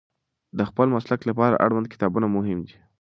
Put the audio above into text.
د خپل مسلک لپاره اړوند کتابونه مهم دي.